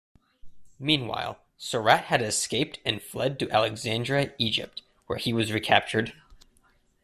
Meanwhile, Surratt had escaped and fled to Alexandria, Egypt, where he was recaptured.